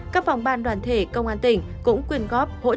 các phòng ban đoàn thể công an tỉnh cũng quyên góp hỗ trợ